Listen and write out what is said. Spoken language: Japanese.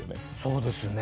そうですね。